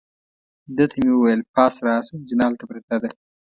ده ته مې وویل: پاس راشه، زینه هلته پرته ده.